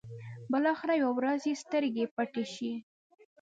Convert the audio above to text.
بلاخره يوه ورځ يې سترګې پټې شي.